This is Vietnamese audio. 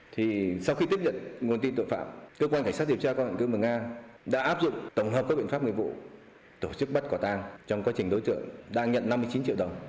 thì sau khi tiếp nhận nguồn tin tội phạm cơ quan cảnh sát điều tra công an cư mường la đã áp dụng tổng hợp các biện pháp nghiệp vụ tổ chức bắt quả tang trong quá trình đối tượng đang nhận năm mươi chín triệu đồng